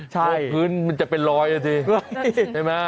พวกพื้นมันจะเป็นลอยน่ะสิ